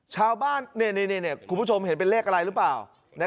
ชาวบ้านคุณผู้ชมเห็นเป็นเลขอะไรหรือเปล่า